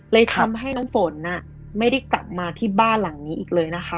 เลยทำให้น้ำฝนไม่ได้กลับมาที่บ้านหลังนี้อีกเลยนะคะ